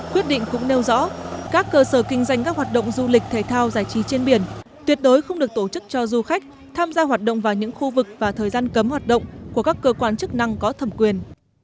quyết định cũng nêu rõ các cơ sở kinh doanh các hoạt động du lịch thể thao giải trí trên biển tuyệt đối không được tổ chức cho du khách tham gia hoạt động vào những khu vực và thời gian cấm hoạt động của các cơ quan chức năng có thẩm quyền